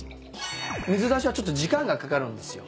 水出しはちょっと時間がかかるんですよ。